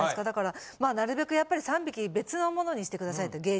だからまあなるべく３匹別のものにしてくださいって。